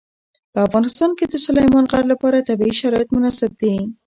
په افغانستان کې د سلیمان غر لپاره طبیعي شرایط مناسب دي.